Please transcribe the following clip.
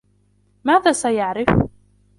ماذا سيعرف ؟